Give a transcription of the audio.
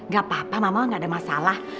gak apa apa mama gak ada masalah